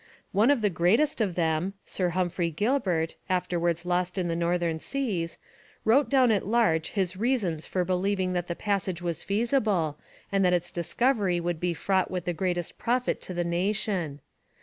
One of the greatest of them, Sir Humphrey Gilbert, afterwards lost in the northern seas, wrote down at large his reasons for believing that the passage was feasible and that its discovery would be fraught with the greatest profit to the nation.